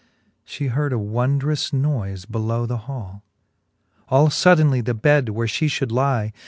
She heard a wondrous noife belovi^ the hall. All fodainely the bed, where {he fhould lie.